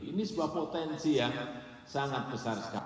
ini sebuah potensi yang sangat besar sekali